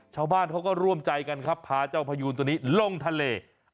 ชาวบ้านเขาก็ร่วมใจกันครับพาเจ้าพยูนตัวนี้ลงทะเล